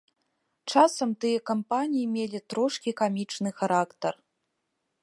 Часам тыя кампаніі мелі трошкі камічны характар.